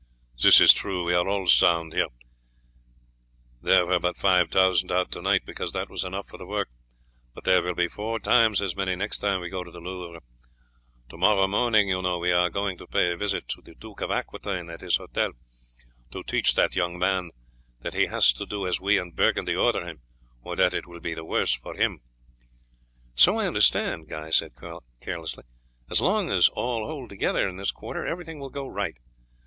"That is true. We are all sound here; there were but five thousand out to night, because that was enough for the work, but there will be four times as many next time we go to the Louvre. To morrow morning, you know, we are going to pay a visit to the Duke of Aquitaine at his hotel, to teach that young man that he has to do as we and Burgundy order him, or that it will be worse for him." "So I understand," Guy said carelessly. "As long as all hold together in this quarter everything will go right.